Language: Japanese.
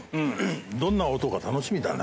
どんな音か楽しみだね。